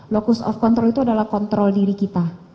lokus of control itu adalah kontrol diri kita